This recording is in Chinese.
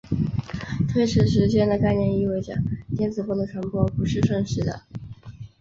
推迟时间的概念意味着电磁波的传播不是瞬时的。